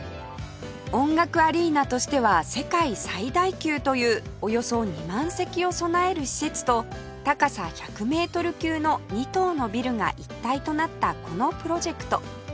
音楽アリーナとしては世界最大級というおよそ２万席を備える施設と高さ１００メートル級の２棟のビルが一体となったこのプロジェクト